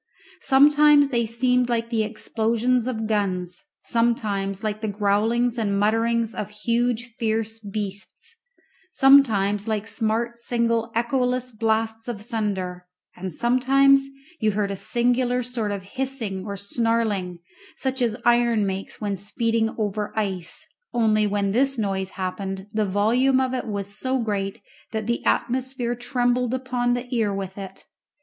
Sometimes they seemed like the explosions of guns, sometimes like the growlings and mutterings of huge fierce beasts, sometimes like smart single echoless blasts of thunder; and sometimes you heard a singular sort of hissing or snarling, such as iron makes when speeding over ice, only when this noise happened the volume of it was so great that the atmosphere trembled upon the ear with it.